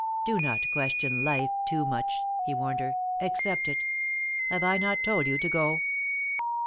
"Do not question Life too much," he warned her. "Accept it. Have I not told you to go?"